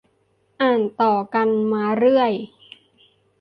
อ่านต่อกันมาเรื่อย